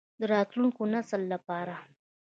د راتلونکي نسل لپاره.